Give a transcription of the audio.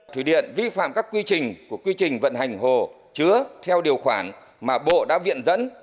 thủy điện vi phạm các quy trình của quy trình vận hành hồ chứa theo điều khoản mà bộ đã viện dẫn